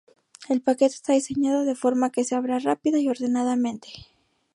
El paquete está diseñado de forma que se abra rápida y ordenadamente.